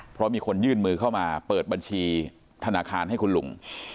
เพราะมีคนยื่นมือเข้ามาเปิดบัญชีธนาคารให้คุณลุง